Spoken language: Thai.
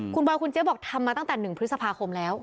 คุณบอยคุณเจ๊บอกทำมาตั้งแต่๑พฤษภาคมแล้ว